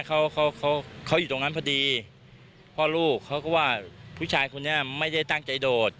เขาเขาเขาอยู่ตรงนั้นพอดีพ่อลูกเขาก็ว่าผู้ชายคนนี้ไม่ได้ตั้งใจโดด